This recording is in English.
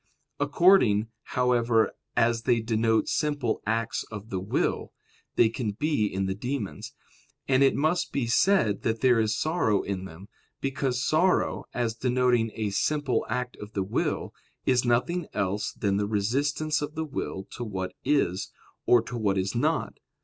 According, however, as they denote simple acts of the will, they can be in the demons. And it must be said that there is sorrow in them; because sorrow, as denoting a simple act of the will, is nothing else than the resistance of the will to what is, or to what is not.